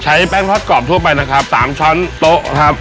แป้งทอดกรอบทั่วไปนะครับ๓ช้อนโต๊ะครับ